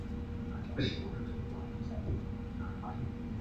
郑邦瑞是王守仁外甥。